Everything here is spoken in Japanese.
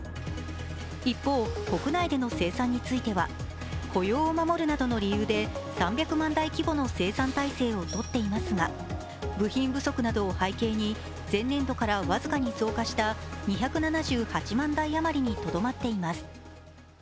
一方、国内での生産については雇用を守るなどの理由で３００万台規模の生産体制をとっていますが、部品不足などを背景に前年度から僅かに増加した２７８万台余りにとどまっています。